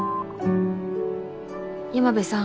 山辺さん。